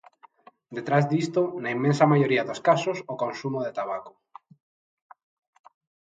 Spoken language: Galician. Detrás disto, na inmensa maioría dos casos, o consumo de tabaco.